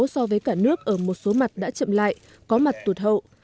so với cả nước ở một số mặt đã chậm lại có mặt tụt hậu